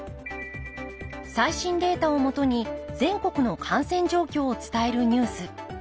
最新データをもとに全国の感染状況を伝えるニュース。